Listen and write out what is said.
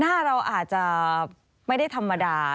หน้าเราอาจจะไม่ได้ธรรมดา